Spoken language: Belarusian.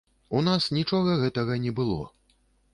У нас нічога гэтага не было.